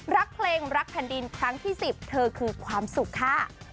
รักเพลงรักแผ่นดินครั้งที่๑๐เธอคือความสุขค่ะ